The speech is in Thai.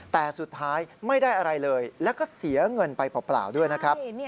แต่สุดท้ายไม่ได้อะไรเลยแล้วก็เสียเงินไปเปล่าด้วยนะครับ